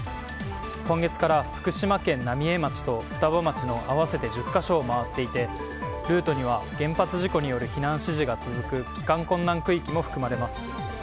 今月から福島県浪江町と双葉町の合わせて１０か所を回っていてルートには原発事故による避難指示が続く帰還困難区域も含まれます。